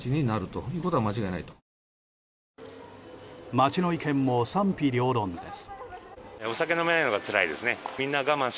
街の意見も賛否両論です。